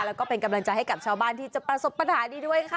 แล้วก็เป็นกำลังใจให้กับชาวบ้านที่จะประสบปัญหานี้ด้วยค่ะ